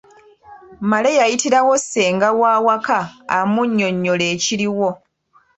Male yayitirawo ssenga w'awaka amunnyonnyole ekiriwo.